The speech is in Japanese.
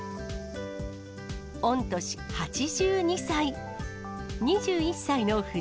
御年８２歳。